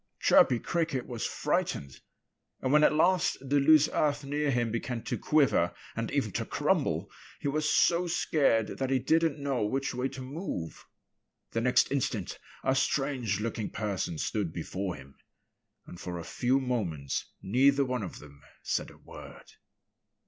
Chirpy Cricket was frightened. And when at last the loose earth near him began to quiver and even to crumble he was so scared that he didn't know which way to move. The next instant a strange looking person stood before him. And for a few moments neither one of them said a word.